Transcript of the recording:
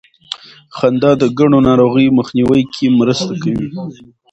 خندا د ګڼو ناروغیو مخنیوي کې مرسته کوي.